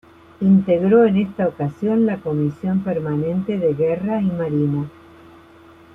Integró en esta ocasión la comisión permanente de Guerra y Marina.